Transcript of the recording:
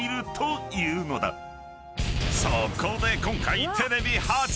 ［そこで今回テレビ初！］